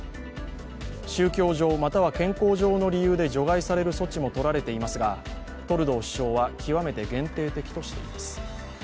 宗教上または健康上の理由で除外される措置も取られていますがトルドー首相は極めて限定的としています。